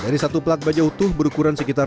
dari satu plat baja utuh berukuran sekitar